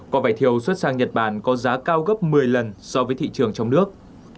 quả vải thiều xuất sang nhật bản có giá cao gấp một mươi lần so với thị trường trong nước